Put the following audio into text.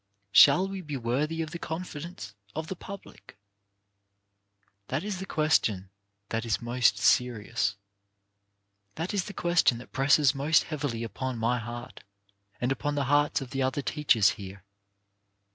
Shall we be worthy of the confidence of the public ?" That is the question that is most serious ; that is the ques tion that presses most heavily upon my heart, and upon the hearts of the other teachers here.